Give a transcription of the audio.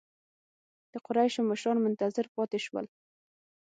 د قریشو مشران منتظر پاتې شول.